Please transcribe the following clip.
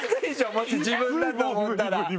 もし自分だと思ったら。